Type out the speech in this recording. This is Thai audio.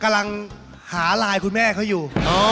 กำลังหาไลน์คุณแม่เขาอยู่